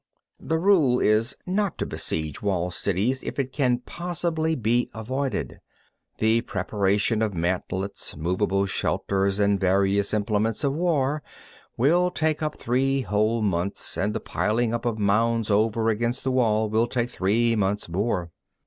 4. The rule is, not to besiege walled cities if it can possibly be avoided. The preparation of mantlets, movable shelters, and various implements of war, will take up three whole months; and the piling up of mounds over against the walls will take three months more.